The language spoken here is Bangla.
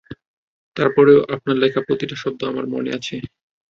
তারপরেও আপনার লেখা প্রতিটা শব্দ আপনার মনে আছে।